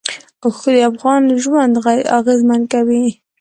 اوښ د افغانانو ژوند اغېزمن کوي.